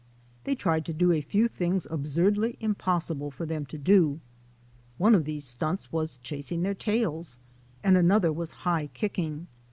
They tried to do a few things absurdly impossible for them to do. One of these stunts was chasing their tails, and another was high kicking.